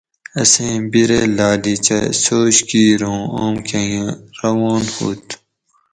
اسیں بِرے لاۤلیچہ سوچ کِیر اُوں ام کھنگہ روان ہُوت